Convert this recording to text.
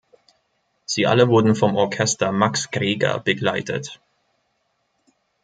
Sie alle wurden vom Orchester Max Greger begleitet.